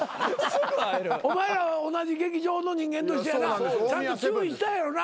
お前らは同じ劇場の人間としてやなちゃんと注意したんやろうな？